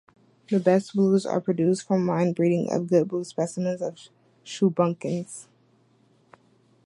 The best blues are produced from line breeding of good blue specimens of Shubunkins.